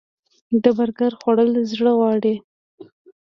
د برګر خوړل زړه غواړي